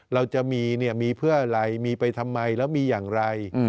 เราจะมีเนี่ยมีเพื่ออะไรมีไปทำไมแล้วมีอย่างไร